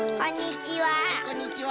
こんにちは。